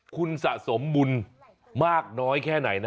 คุณสะสมบุญมากน้อยแค่ไหนนะ